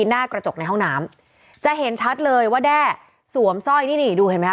หน้ากระจกในห้องน้ำจะเห็นชัดเลยว่าแด้สวมสร้อยนี่นี่ดูเห็นไหมค